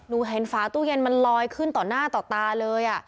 หนูเห็นฟ้าตู้เย็นรอยขึ้นต่อต่อตาเลย